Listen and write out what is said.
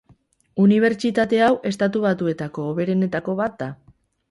Unibertsitate hau Estatu Batuetako hoberenetako bat da.